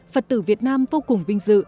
phật tử việt nam vô cùng vinh dự